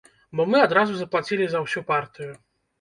Бо мы адразу заплацілі за ўсю партыю.